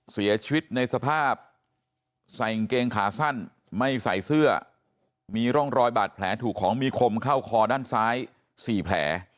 เสียชีวิตในสภาพใส่กางเกงขาสั้นไม่ใส่เสื้อมีร่องรอยบาดแผลถูกของมีคมเข้าคอด้านซ้าย๔แผล